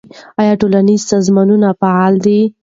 آیا ټولنیز سازمانونه فعال دي؟